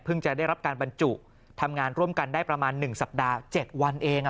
จะได้รับการบรรจุทำงานร่วมกันได้ประมาณ๑สัปดาห์๗วันเอง